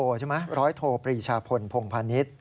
ด้วยไหมร้อยโทปรีชาพลพงภานิษย์